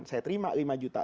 saya terima lima juta